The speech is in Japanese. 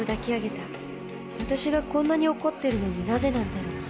私がこんなに怒ってるのに何故なんだろう？